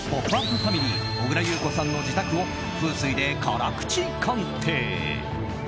ファミリー小倉優子さんの自宅を風水で辛口鑑定！